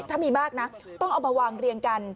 ถ้ามีมากนะต้องเอามาวางเรียงกัน